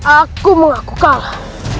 aku mengaku kalah